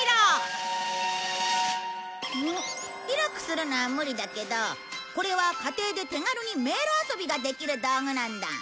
広くするのは無理だけどこれは家庭で手軽に迷路遊びができる道具なんだ。